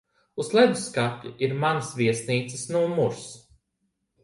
Uz ledusskapja ir manas viesnīcas numurs.